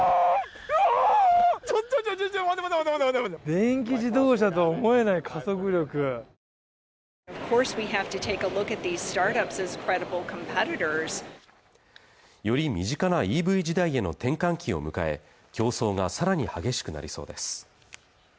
電気自動車と思えない加速力より身近なＥＶ時代への転換期を迎え競争がさらに激しくなりそうです